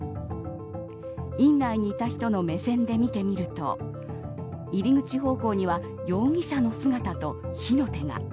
院内にいた人の目線で見てみると入り口方向には容疑者の姿と火の手が。